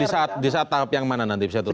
di saat tahap yang mana nanti bisa turun